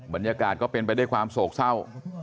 บรรยากาศก็เป็นไปด้วยความโศกเศร้า